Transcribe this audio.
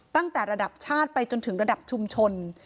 ตั้งแต่ระดับชาติไปจนถึงระดับชุมชน